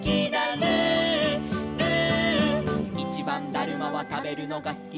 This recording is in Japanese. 「ルールー」「いちばんだるまはたべるのがすき」